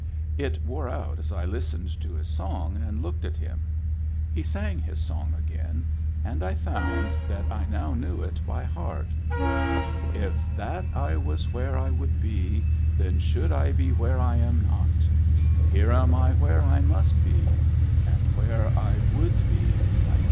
It wore out as I listened to his song, and looked at him. He sang his song again, and I found that I now knew it by heart. If that I was where I would be, Then should I be where I am not ; Here am I where I must be, And where I would be I cannot.